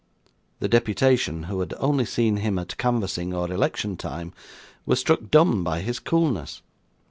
The deputation, who had only seen him at canvassing or election time, were struck dumb by his coolness.